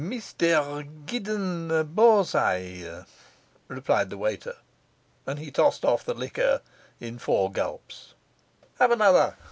'Meestare Gidden Borsye,' replied the waiter, and he tossed off the liquor in four gulps. 'Have another?